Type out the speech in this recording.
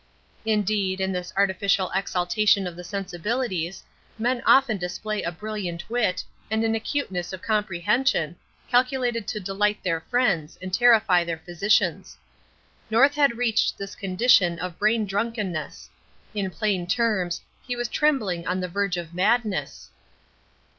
Indeed, in this artificial exaltation of the sensibilities, men often display a brilliant wit, and an acuteness of comprehension, calculated to delight their friends, and terrify their physicians. North had reached this condition of brain drunkenness. In plain terms, he was trembling on the verge of madness.